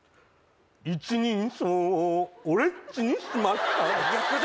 一人称を「俺っち」にしました最悪だ！